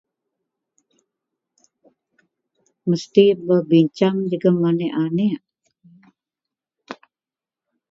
mesti berbincang jegum aneak-aneak